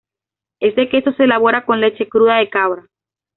Este queso se elabora con leche cruda de cabra.